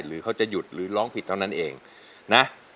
หรือเขาจะหยุดหรือร้องผิดเท่านั้นเองนะ